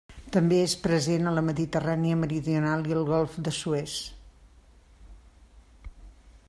També és present a la Mediterrània meridional i el golf de Suez.